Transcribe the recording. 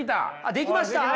できました？